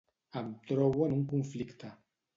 Em trobo en un conflicte.